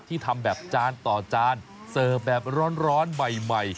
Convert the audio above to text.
ทำแบบจานต่อจานเสิร์ฟแบบร้อนใหม่